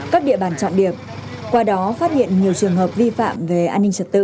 các địa bàn trọng điểm qua đó phát hiện nhiều trường hợp vi phạm về an ninh trật tự